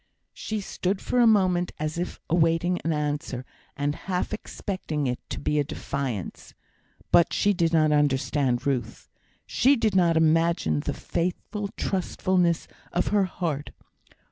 She stood for a moment as if awaiting an answer, and half expecting it to be a defiance. But she did not understand Ruth. She did not imagine the faithful trustfulness of her heart.